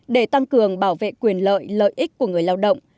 để tăng cường bảo vệ quyền lợi lợi ích của người lao động